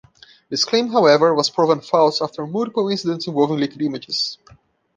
This claim, however, was proven false after multiple incidents involving leaked images.